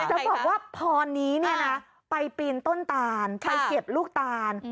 จะบอกว่าพรนี้ไปปีนต้นตานไปเก็บลูกตาล